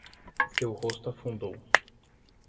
Seu rosto afundou